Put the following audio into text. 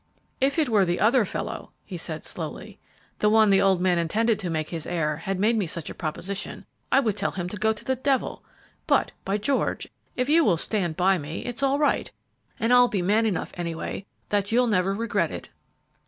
"If it were the other fellow," he said, slowly, "the one the old man intended to make his heir, had made me such a proposition, I would tell him to go to the devil; but, by George! if you will stand by me, it's all right, and I'll be man enough anyway that you'll never regret it."